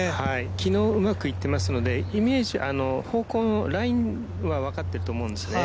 昨日、うまくいっていますので方向のラインは分かっていると思うんですよね。